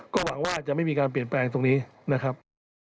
ก็หวังว่าจะไม่มีการเปลี่ยนแปลงตรงนี้นะครับ